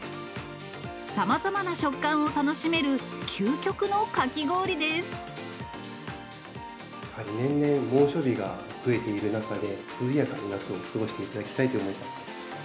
さまざまな食感を楽しめる、やはり年々猛暑日が増えている中で、涼やかに夏を過ごしていただきたいという思いから。